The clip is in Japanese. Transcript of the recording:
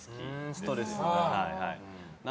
ストレスがない。